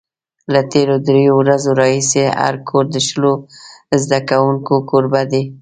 له تېرو درېیو ورځو راهیسې هر کور د شلو زده کوونکو کوربه دی.